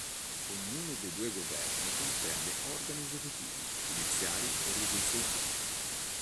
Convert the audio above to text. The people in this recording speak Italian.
Ognuno dei due governi comprende organi esecutivi, giudiziari e legislativi.